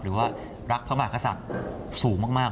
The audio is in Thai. หรือว่ารักพระมหากษัตริย์สูงมาก